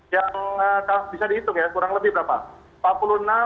yang bisa dihitung ya kurang lebih berapa